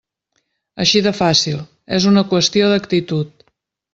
Així de fàcil, és una qüestió d'actitud.